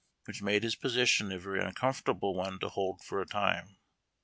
which made his position a very uncomfortable one to hokl for a time.